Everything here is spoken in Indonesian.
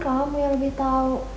kamu yang lebih tahu